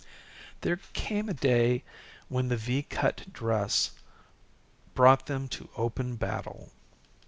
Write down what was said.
There came a day when the V cut dress brought them to open battle.